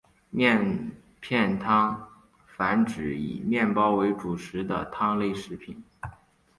面片汤泛指以面片为主食的汤类食品。